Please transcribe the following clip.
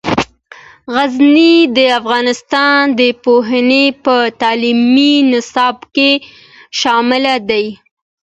غزني د افغانستان د پوهنې په تعلیمي نصاب کې شامل دی.